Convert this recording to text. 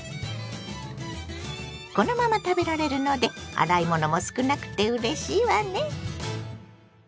このまま食べられるので洗い物も少なくてうれしいわね。